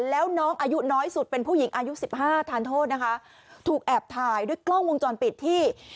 แล้วน้องอายุน้อยสุดเป็นผู้หญิงอายุสิบห้าทานโทษนะคะถูกแอบถ่ายด้วยกล้องวงจรปิดที่